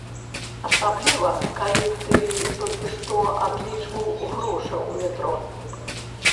Асабліва калі ты толькі што адлічваў грошы ў метро.